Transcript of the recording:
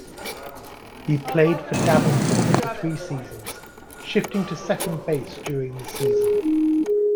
He played for Davenport for three seasons, shifting to second base during the season.